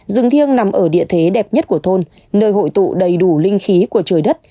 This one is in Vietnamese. rừng thiêng nằm ở địa thế đẹp nhất của thôn nơi hội tụ đầy đủ linh khí của trời đất